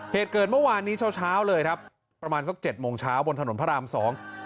เหตุเกิดเมื่อวานนี้เช้าเช้าเลยครับประมาณสักเจ็ดโมงเช้าบนถนนพระรามสอง